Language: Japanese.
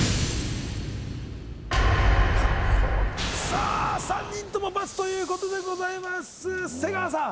さあ３人とも×ということでございます瀬川さん